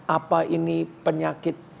apa ini penyakit